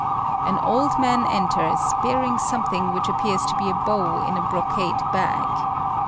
An old man enters, bearing something which appears to be a bow in a brocade bag.